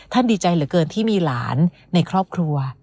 ดีใจเหลือเกินที่มีหลานในครอบครัว